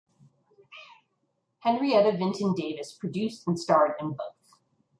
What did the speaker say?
Henrietta Vinton Davis produced and starred in both.